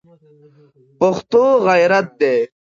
پښتو غیرت دی